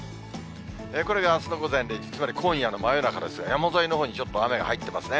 これがあすの午前０時、つまり今夜の真夜中ですが、山沿いのほうにちょっと雨が入ってますね。